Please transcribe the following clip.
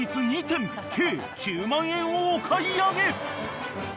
２点計９万円をお買い上げ］